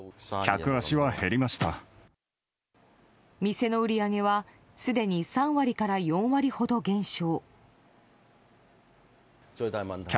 店の売り上げはすでに３割から４割ほど減少。